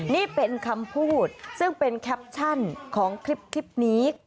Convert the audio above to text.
นี่เป็นคำพูดซึ่งเป็นแคปชั่นของคลิปนี้